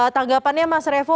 tanggapannya mas revo